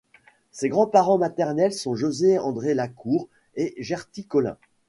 Ses grands-parents maternels sont José-André Lacour et Gerty Colin.